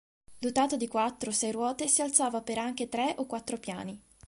Dotato di quattro o sei ruote, si alzava per anche tre o quattro piani.